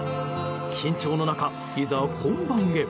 緊張の中、いざ本番へ。